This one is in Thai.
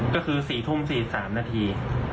ก็คือ๔๔๓นาที